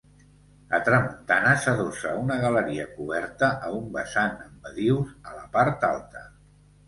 A tramuntana s'adossa una galeria coberta a un vessant amb badius a la part alta.